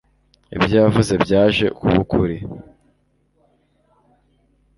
ibyo yavuze byaje kuba ukuri